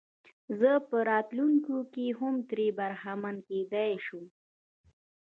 زه په راتلونکي کې هم ترې برخمن کېدلای شم.